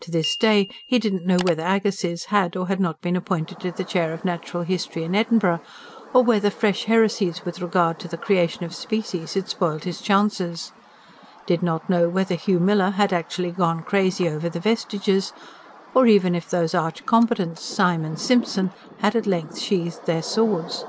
To this day he didn't know whether Agassiz had or had not been appointed to the chair of Natural History in Edinburgh; or whether fresh heresies with regard to the creation of species had spoiled his chances; did not know whether Hugh Miller had actually gone crazy over the VESTIGES; or even if those arch combatants, Syme and Simpson, had at length sheathed their swords.